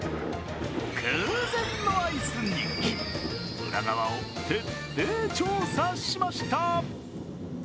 空前のアイス人気、裏側を徹底調査しました。